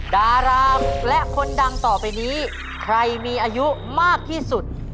ดารามและคนดังต่อไปนี้ใครมีอายุมากที่สุด